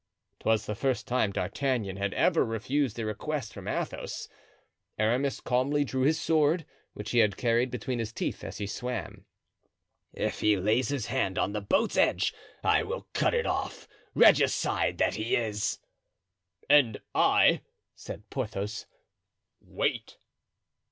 'Twas the first time D'Artagnan had ever refused a request from Athos. Aramis calmly drew his sword, which he had carried between his teeth as he swam. "If he lays his hand on the boat's edge I will cut it off, regicide that he is." "And I," said Porthos. "Wait."